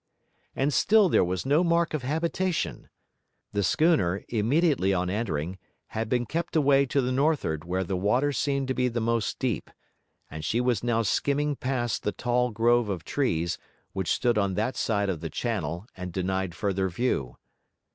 And still there was no mark of habitation. The schooner, immediately on entering, had been kept away to the nor'ard where the water seemed to be the most deep; and she was now skimming past the tall grove of trees, which stood on that side of the channel and denied further view.